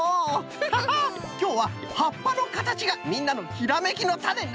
ハハッきょうははっぱのかたちがみんなのひらめきのタネになった。